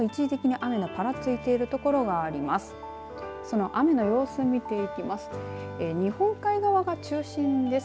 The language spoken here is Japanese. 雨の様子、見ていきます。